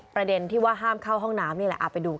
ประเด็นที่ว่าห้ามเข้าห้องน้ำนี่แหละไปดูค่ะ